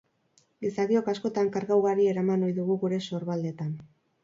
Gizakiok, askotan, karga ugari eraman ohi dugu gure sorbaldetan.